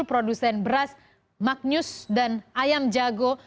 produsen beras magnus dan ayam jago